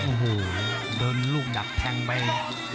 โอ้โหโดนลูกดักแทงไป